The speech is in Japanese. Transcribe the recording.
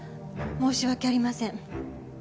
申し訳ありません。